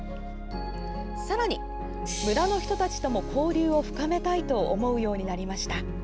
さらに、村の人たちとも交流を深めたいと思うようになりました。